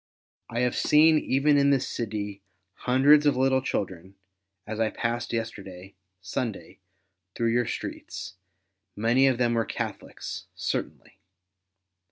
I have seen even in this city hundreds of little children, as I passed yesterday, Sunday, through your streets ; many of them were Catholics, certainly.